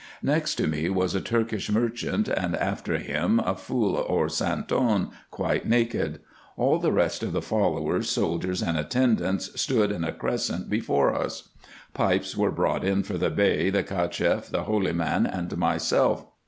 Next to me was a Turkish merchant, and after him a fool or Santon quite naked. All the rest of the followers, soldiers, and attendants, stood in a crescent before us. Pipes were brought in for the Bey, the Cacheff, the Holy man, and myself.